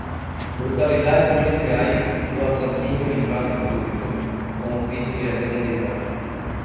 brutalidades policiais, do assassínio em praça pública, com o fito de atemorizar